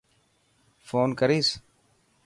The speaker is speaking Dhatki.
فون ڪريس.